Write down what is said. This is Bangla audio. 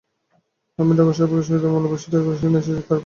আমি ঠাকুরসাহেবের সহিত মহাবালেশ্বর হতে এখানে এসেছি এবং তাঁরই বাড়ীতে আছি।